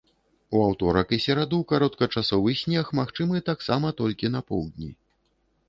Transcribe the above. У аўторак і сераду кароткачасовы снег магчымы таксама толькі на поўдні.